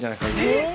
えっ！？